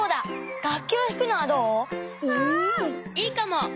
いいかも！